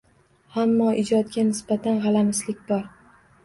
Ammo ijodga nisbatan g‘alamislik bor.